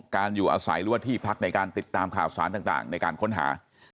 อยู่อาศัยหรือว่าที่พักในการติดตามข่าวสารต่างในการค้นหา